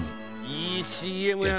いいＣＭやな。